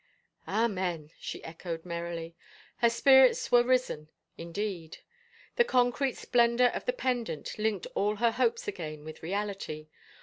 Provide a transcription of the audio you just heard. Amen," she echoed merrily. Her spirits were risen indeed. The concrete splendor of the pendant linked all her hopes again with reality.